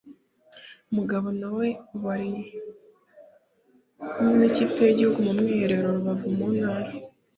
Mugabo na we ubu ari kumwe n’ikipe y’iguhugu mu mwiherero i Rubavu mu ntara